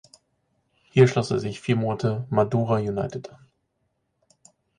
Hier schloss er sich vier Monate Madura United an.